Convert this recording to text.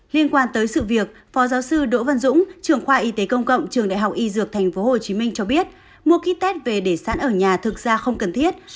tòa y tế công cộng trường đại học y dược tp hcm cho biết mua kít tét về để sẵn ở nhà thực ra không cần thiết